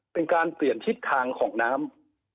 เป็นการเปลี่ยนทิศทางของน้ำ